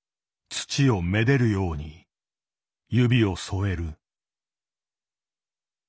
土をめでるように指を添える。